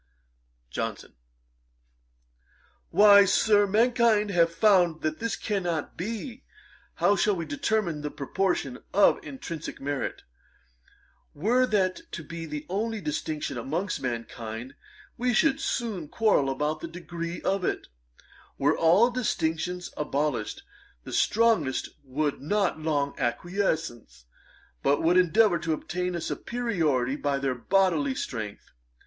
JOHNSON. 'Why, Sir, mankind have found that this cannot be. How shall we determine the proportion of intrinsick merit? Were that to be the only distinction amongst mankind, we should soon quarrel about the degrees of it. Were all distinctions abolished, the strongest would not long acquiesce, but would endeavour to obtain a superiority by their bodily strength.